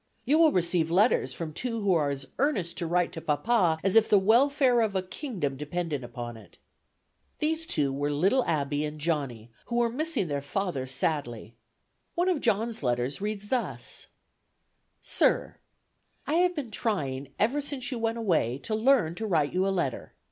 You will receive letters from two who are as earnest to write to papa as if the welfare of a kingdom depended upon it." These two were little Abby and Johnny, who were missing their father sadly. One of John's letters reads thus: "Sir I have been trying ever since you went away to learn to write you a letter.